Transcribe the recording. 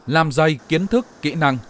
làm dây kiến thức kỹ năng